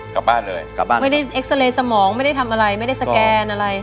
กลับบ้านเลยกลับบ้านไม่ได้เอ็กซาเรย์สมองไม่ได้ทำอะไรไม่ได้สแกนอะไร